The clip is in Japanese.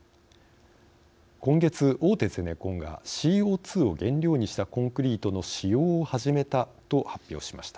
今月、大手ゼネコンがＣＯ２を原料にしたコンクリートの使用を始めたと発表しました。